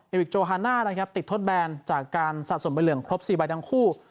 วิกโจฮาน่านะครับติดทดแบนจากการสะสมใบเหลืองครบ๔ใบทั้งคู่